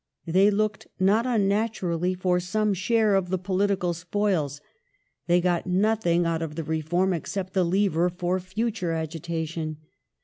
They looked, not unnaturally, for some share of the political spoils. They got nothing out of Reform except a lever for future agitation.